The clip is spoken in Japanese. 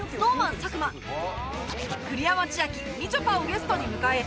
佐久間栗山千明みちょぱをゲストに迎え